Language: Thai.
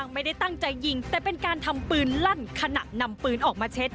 ไม่ได้ตั้งใจยิงแต่เป็นการทำปืนลั่นขณะนำปืนออกมาเช็ด